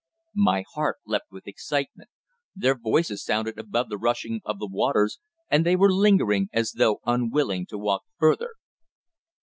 My heart leapt with excitement. Their voices sounded above the rushing of the waters, and they were lingering as though unwilling to walk further.